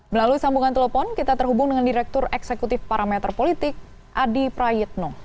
melalui sambungan telepon kita terhubung dengan direktur eksekutif parameter politik adi prayitno